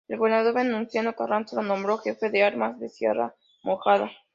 El gobernador Venustiano Carranza lo nombró jefe de armas de Sierra Mojada.